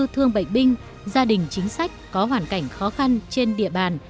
hai mươi bốn thương bệnh binh gia đình chính sách có hoàn cảnh khó khăn trên địa bàn